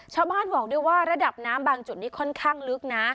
ชาวบ้านบอกด้วยว่าระดับน้ำบางจุดนี้ค่อนข้างลึกนะ